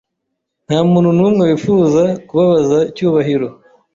Ntamuntu numwe wifuza kubabaza Cyubahiro.